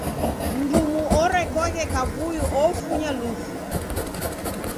Mndumu orekoghe kavui ofunya lufu.